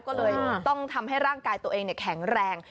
ก็เลยต้องทำให้ร่างกายตัวเองแข็งแรง